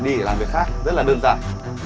đi làm việc khác rất là đơn giản